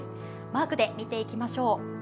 マークで見ていきましょう。